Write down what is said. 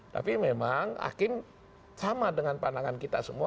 tapi memang hakim sama dengan pandangan kita semua